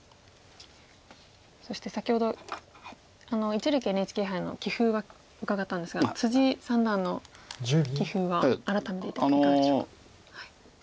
そして先ほど一力ＮＨＫ杯の棋風は伺ったんですが三段の棋風は改めていかがでしょうか？